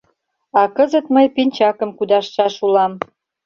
А кызыт мый пинчакым кудашшаш улам.